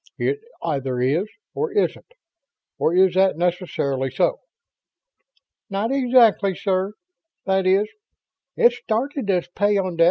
It either is or isn't. Or is that necessarily so?" "Not exactly, sir. That is, it started as peyondix.